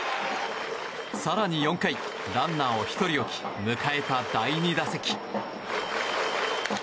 更に４回、ランナーを１人置き迎えた第２打席。